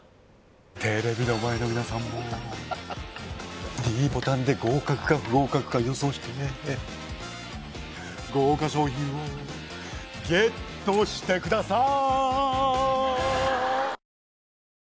テレビの前の皆さんもｄボタンで合格か不合格か予想して豪華賞品をＧＥＴしてください